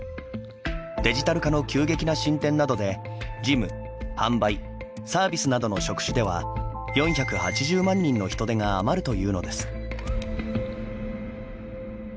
デジタル化の急激な進展などで事務、販売サービスなどの職種では４８０万人の人手が余るというのです。